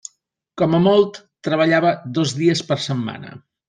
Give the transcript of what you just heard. Com a molt, treballava dos dies per setmana.